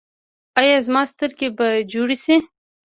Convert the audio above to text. ایا زما سترګې به جوړې شي؟